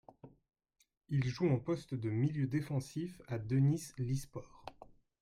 Il joue en poste de milieu défensif à Denizlispor.